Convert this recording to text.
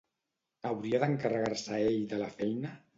Hauria d'encarregar-se ell de la feina?